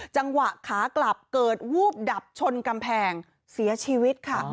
จังหวะขากลับเกิดวูบดับชนกำแพงเสียชีวิตค่ะ